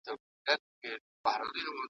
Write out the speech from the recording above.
چي له قاصده مي لار ورکه تر جانانه نه ځي ,